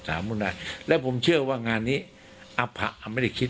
สามรุนราชและผมเชื่อว่างานนี้อพะอ่ะไม่ได้คิด